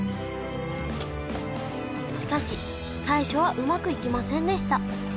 しかし最初はうまくいきませんでした。